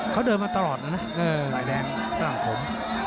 เขาเดินมาตลอดนะหลายแดงก็หลังของ